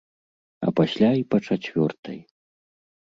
А пасля і па чацвёртай!